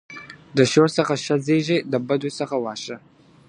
د ښو څخه ښه زېږي د بدو څخه واښه .